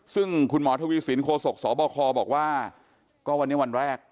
ซึ่งคุณหมอทวีสินโคศกสบคบอกว่าก็วันนี้วันแรก